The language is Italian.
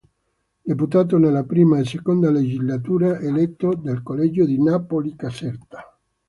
Deputato nella prima e seconda legislatura eletto nel collegio di Napoli-Caserta.